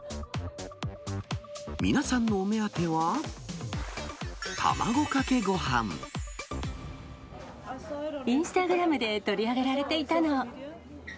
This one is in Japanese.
皆さんのお目当ては、インスタグラムで取り上げられていたの。